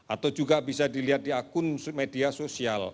atau juga bisa dilihat di akun media sosial